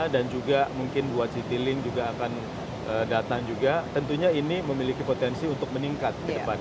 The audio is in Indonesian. dan juga mungkin buat citylink juga akan datang juga tentunya ini memiliki potensi untuk meningkat di depannya